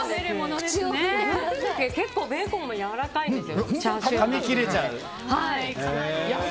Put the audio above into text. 結構、ベーコンもやわらかいです。